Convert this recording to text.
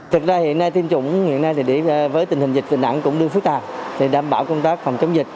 thực ra hiện nay tiêm chủng với tình hình dịch dịch nặng cũng đưa phức tạp để đảm bảo công tác phòng chống dịch